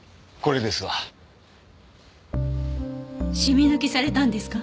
シミ抜きされたんですか？